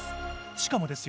しかもですよ